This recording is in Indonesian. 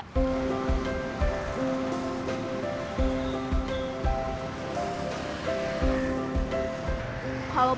kalau pakai sepeda kayaknya enak